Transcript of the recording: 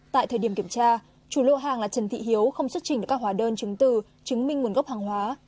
tại thời điểm kiểm tra chủ lô hàng là trần thị hiếu không xuất trình được các hóa đơn chứng từ chứng minh nguồn gốc hàng hóa